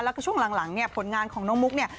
แล้วก็ช่วงหลังเนี่ยผลงานของน้องมุกเนี่ย